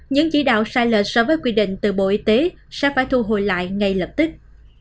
những chỉ đạo sai lệch so với quy định từ bộ y tế sẽ phải thu hồi lại ngay lập tức